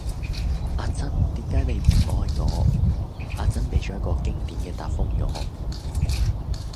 阿珍,點解你唔愛我?阿珍俾咗一個經典既答覆我